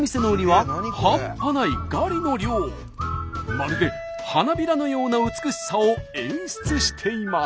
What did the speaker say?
まるで花びらのような美しさを演出しています。